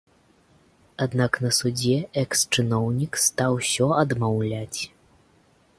Аднак на судзе экс-чыноўнік стаў усё адмаўляць.